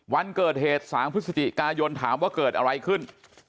วันเกิดเหตุ๓พฤศจิกายนถามว่าเกิดอะไรขึ้น